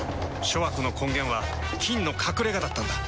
諸悪の根源は「菌の隠れ家」だったんだ。